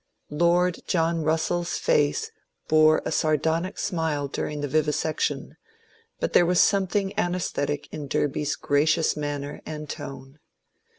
Lord John Russell's face bore a sardonic smile during the vivisection, but there was something anaesthetic in Derby's gracious manner and tone.